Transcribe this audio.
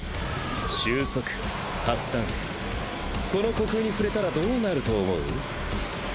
収束発散この虚空に触れたらどうなると思う？